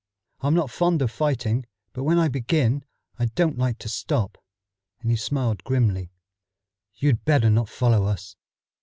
I'm not fond of fighting, but when I begin I don't like to stop," and he smiled grimly. "You'd better not follow us."